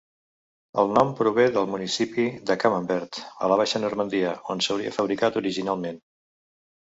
El nom prové del municipi de Camembert, a la Baixa Normandia, on s'hauria fabricat originalment.